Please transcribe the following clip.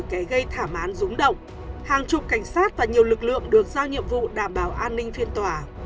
kẻ gây thảm án rúng động hàng chục cảnh sát và nhiều lực lượng được giao nhiệm vụ đảm bảo an ninh phiên tòa